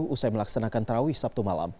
usai melaksanakan tarawih sabtu malam